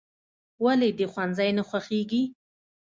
"ولې دې ښوونځی نه خوښېږي؟"